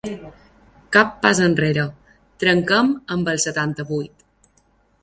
Cap pas enrere, trenquem amb el setanta-vuit!